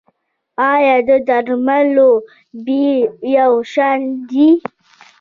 آیا د درملو بیې یو شان دي؟